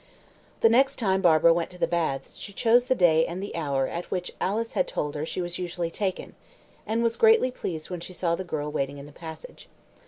The next time Barbara went to the baths she chose the day and the hour at which Alice had told her she was usually taken, and was greatly pleased when she saw the girl waiting in the passage.